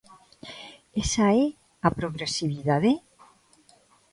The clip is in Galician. ¿Esa é a progresividade?